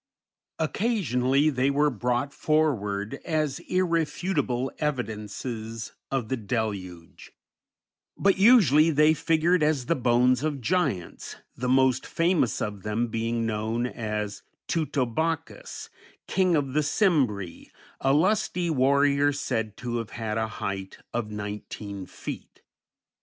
Occasionally they were brought forward as irrefutable evidences of the deluge; but usually they figured as the bones of giants, the most famous of them being known as Teutobochus, King of the Cimbri, a lusty warrior said to have had a height of nineteen feet.